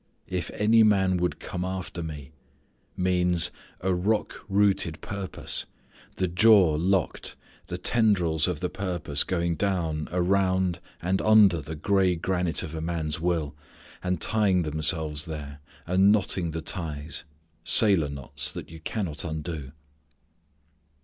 "If any man would come after Me" means a rock rooted purpose; the jaw locked; the tendrils of the purpose going down around and under the gray granite of a man's will, and tying themselves there; and knotting the ties; sailor knots, that you cannot undo.